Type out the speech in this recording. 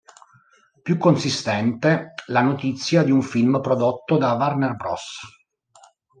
Più consistente la notizia di un film prodotto da Warner Bros.